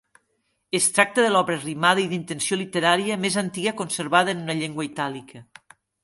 Es tracta de l'obra rimada i d'intenció literària més antiga conservada en una llengua itàlica.